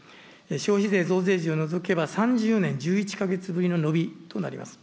消費税増税時を除けば、３０年１１か月ぶりの伸びとなります。